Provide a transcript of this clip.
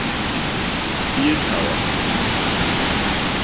Steel Tower.